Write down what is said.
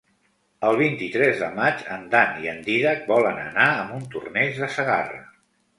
El vint-i-tres de maig en Dan i en Dídac volen anar a Montornès de Segarra.